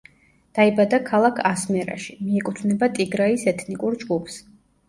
დაიბადა ქალაქ ასმერაში, მიეკუთვნება ტიგრაის ეთნიკურ ჯგუფს.